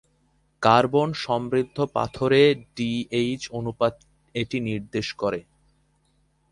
Carbon সমৃদ্ধ পাথরে D H অনুপাত এটি নির্দেশ করে।